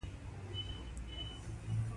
او خبرې مې رنځورې